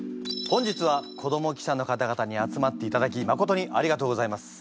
本日は子ども記者の方々に集まっていただきまことにありがとうございます。